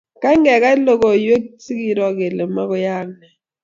kany kekany lokoiwek sikeroo kele mokuyaak nee